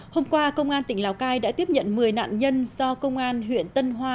hôm qua công an tỉnh lào cai đã tiếp nhận một mươi nạn nhân do công an huyện tân hoa